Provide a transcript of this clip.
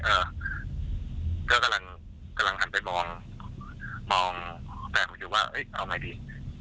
เออเขากำลังหันไปมองแบบคือว่าเอ๊ะเอาไงดี